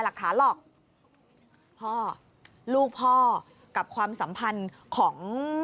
ของ